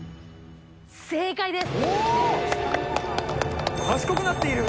正解です。